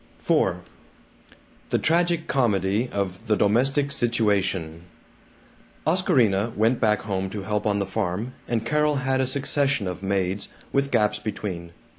IV The tragicomedy of the "domestic situation." Oscarina went back home to help on the farm, and Carol had a succession of maids, with gaps between.